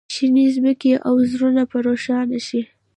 شینې ځمکې او زړونه په روښانه شي.